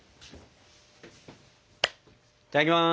いただきます。